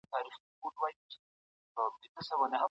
ولي د ځان د ښه کولو هڅه ذهن ته تلپاتي ځواني بخښي؟